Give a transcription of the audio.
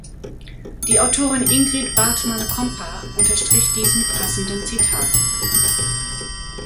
Die Autorin Ingrid Bartmann-Kompa unterstrich dies mit passenden Zitaten.